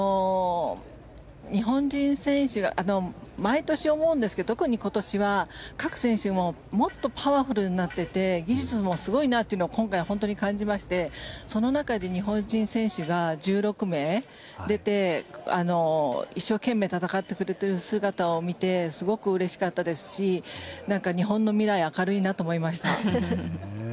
日本人選手が毎年思うんですが特に今年は各選手もっとパワフルになっていて技術もすごいなというのを今回、本当に感じましてその中で日本人選手が１６名出て一生懸命戦ってくれている姿を見てすごくうれしかったですしなんか日本の未来は明るいなと思いました。